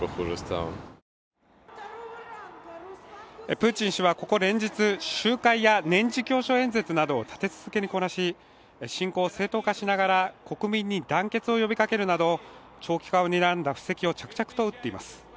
プーチン氏はここ連日、集会や年次教書演説などを立て続けにこなし侵攻を正当化しながら国民に団結を呼びかけるなど長期間にらんだ布石を着々と打っています。